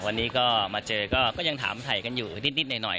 วันนี้ก็มาเจอก็ยังถามถ่ายกันอยู่นิดหน่อย